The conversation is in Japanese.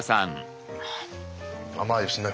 甘いですね。